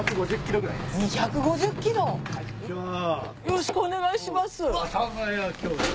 よろしくお願いします。